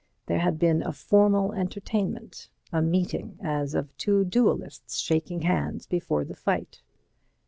There had been a formal entertainment—a meeting as of two duellists shaking hands before the fight.